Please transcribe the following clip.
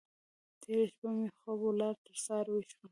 تېره شپه مې خوب ولاړ؛ تر سهار ويښ وم.